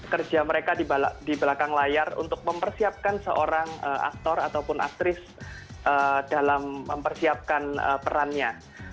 kerja mereka di belakang layar untuk mempersiapkan seorang aktor ataupun aktris dalam mempersiapkan perannya